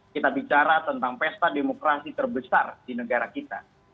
kita bicara tentang pesta demokrasi terbesar di negara kita